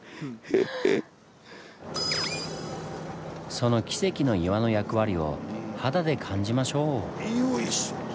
その奇跡の岩の役割を肌で感じましょう！